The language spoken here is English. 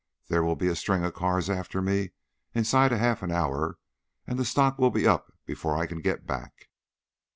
There will be a string of cars after me inside of half an hour, and the stock will be up before I can get back."